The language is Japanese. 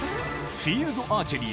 フィールドアーチェリー？